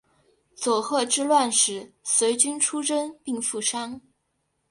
佐贺之乱时随军出征并负伤。